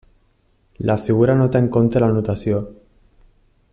La figura no té en compte la nutació.